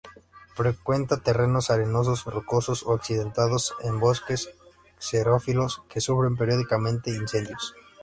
Frecuenta terrenos arenosos, rocosos o accidentados, en bosques xerófilos que sufren periódicamente incendios.